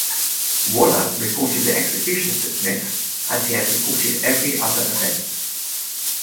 Waller reported the executions to Smith, as he had reported every other event.